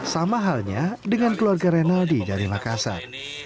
sama halnya dengan keluarga renaldi dari makassar